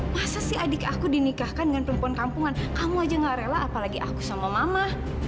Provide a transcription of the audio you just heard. masa sih adik aku dinikahkan dengan perempuan kampungan kamu aja gak rela apalagi aku sama mama